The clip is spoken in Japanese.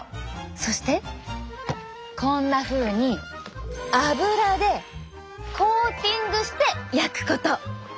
そしてこんなふうに油でコーティングして焼くこと。